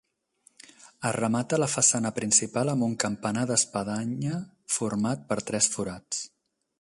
Es remata la façana principal amb un campanar d'espadanya format per tres forats.